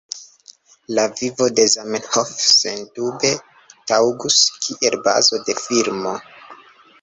La vivo de Zamenhof sendube taŭgus kiel bazo de filmo.